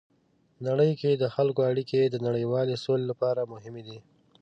نړۍ کې د خلکو اړیکې د نړیوالې سولې لپاره مهمې دي.